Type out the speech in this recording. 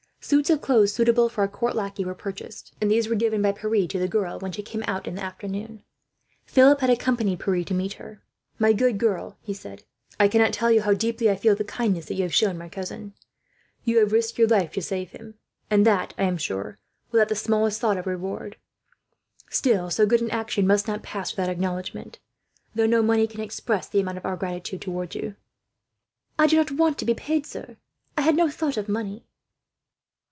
Suits of clothes suitable for a court lackey were purchased, and these were given by Pierre to the girl, when she came out in the afternoon. Philip had accompanied Pierre to meet her. "My good girl," he said, "I cannot tell you how deeply I feel the kindness that you have shown my cousin. You have risked your life to save him; and that, I am sure, without the smallest thought of reward. Still, so good an action must not pass without acknowledgment, though no money can express the amount of our gratitude to you." "I do not want to be paid, sir," she said. "I had no thought of money."